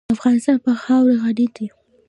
افغانستان په خاوره غني دی.